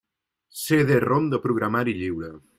CD-ROM de programari lliure.